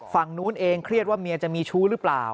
ฝั่งนู้นเองเครียดว่าเมียจะมีชู้หรือเปล่า